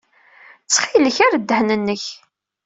Ttxil-k, err ddehn-nnek.